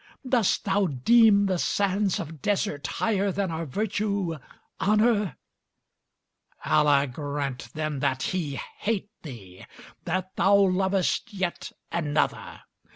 Dost thou deem the sands of desert higher than are virtue honor? Allah grant, then, that he hate thee! That thou lovest yet another!